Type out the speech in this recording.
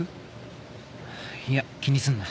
いや気にすんな